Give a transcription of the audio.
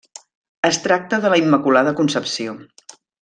Es tracta de la Immaculada Concepció.